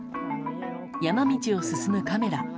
山道を進むカメラ。